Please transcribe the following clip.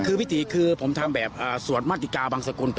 คือวิธีคือผมทำแบบสวดมาติกาบังสกุล